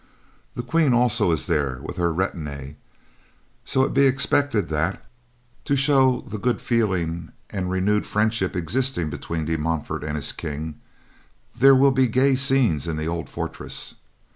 The Queen also is there with her retinue, so it be expected that, to show the good feeling and renewed friendship existing between De Montfort and his King, there will be gay scenes in the old fortress.